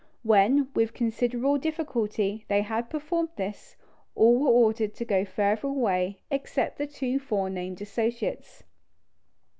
When, with considerable difficulty, they had performed this, all were ordered to go further away, except the two forenamed associates.